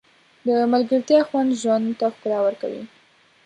د ملګرتیا خوند ژوند ته ښکلا ورکوي.